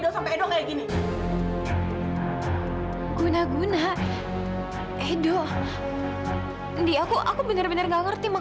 sampai jumpa di video selanjutnya